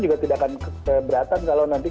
juga tidak akan keberatan kalau nanti